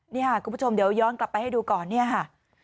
นี่ค่ะคุณผู้ชมเดี๋ยวย้อนกลับไปให้ดูก่อนเนี่ยค่ะ